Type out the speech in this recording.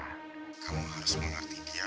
kamu harus mengerti dia